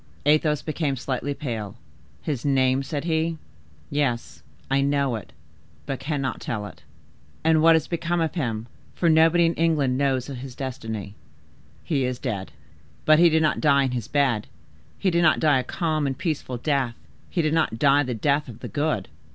Athos became slightly pale. "His name?" said he, "yes, I know it, but cannot tell it." "And what is become of him, for nobody in England knows his destiny?" "He is dead." "But he did not die in his bed; he did not die a calm and peaceful death; he did not die the death of the good?"